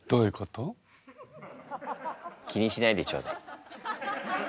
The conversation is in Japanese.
気にしないでちょうだい。